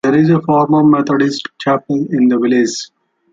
There is a former Methodist chapel in the village.